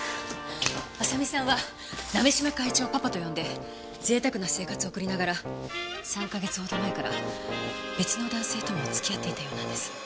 亜沙美さんは鍋島会長をパパと呼んで贅沢な生活を送りながら３か月ほど前から別の男性とも付き合っていたようなんです。